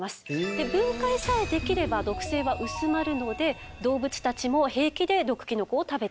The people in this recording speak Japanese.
で分解さえできれば毒性は薄まるので動物たちも平気で毒キノコを食べているということなんですね。